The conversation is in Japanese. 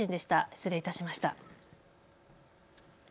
失礼いたしました。